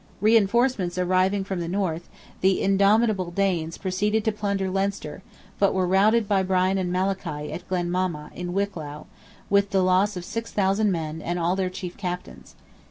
Reinforcements arriving from the North, the indomitable Danes proceeded to plunder Leinster, but were routed by Brian and Malachy at Glen Mama, in Wicklow, with the loss of 6,000 men and all their chief captains.